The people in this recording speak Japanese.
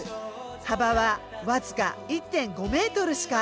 幅は僅か１．５メートルしかありません。